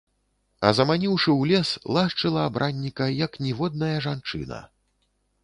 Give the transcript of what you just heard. А заманіўшы ў лес, лашчыла абранніка, як ніводная жанчына.